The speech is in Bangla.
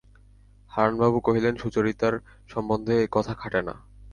হারানবাবু কহিলেন, সুচরিতার সম্বন্ধে এ কথা খাটে না।